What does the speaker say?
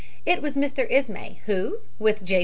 It was Mr. Ismay who, with J.